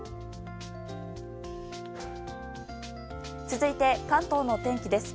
続いて、関東の天気です。